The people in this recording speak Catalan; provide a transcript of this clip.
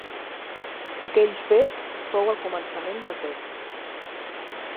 Aquell fet fou el començament de tot.